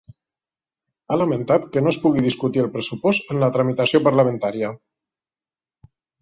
Ha lamentat que no es pugui discutir el pressupost en la tramitació parlamentària.